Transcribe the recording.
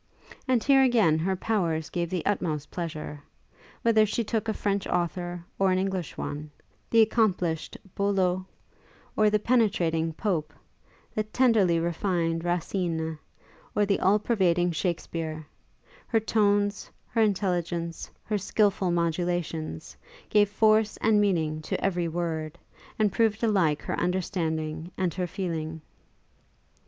And here again her powers gave the utmost pleasure; whether she took a French author, or an English one; the accomplished Boileau, or the penetrating Pope; the tenderly refined Racine, or the all pervading Shakespeare; her tones, her intelligence, her skilful modulations, gave force and meaning to every word, and proved alike her understanding and her feeling.